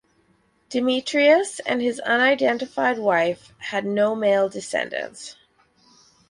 Demetrius and his unidentified wife had no male descendants.